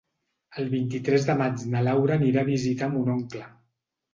El vint-i-tres de maig na Laura anirà a visitar mon oncle.